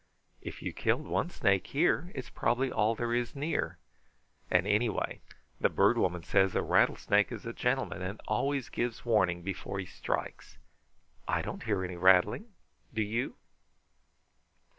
"If you killed one snake here, it's probably all there is near; and anyway, the Bird Woman says a rattlesnake is a gentleman and always gives warning before he strikes. I don't hear any rattling. Do you?"